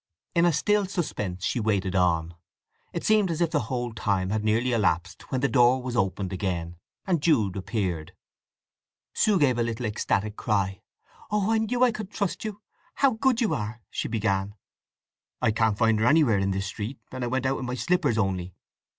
In a still suspense she waited on. It seemed as if the whole time had nearly elapsed when the door was opened again, and Jude appeared. Sue gave a little ecstatic cry. "Oh, I knew I could trust you!—how good you are!"—she began. "I can't find her anywhere in this street, and I went out in my slippers only.